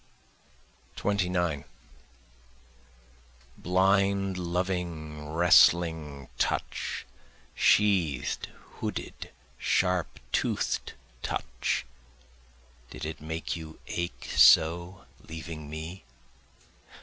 29 Blind loving wrestling touch, sheath'd hooded sharp tooth'd touch! Did it make you ache so, leaving me?